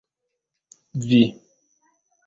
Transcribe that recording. vi